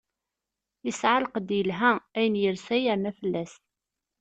Yesɛa lqedd yelha, ayen yelsa yerna fell-as.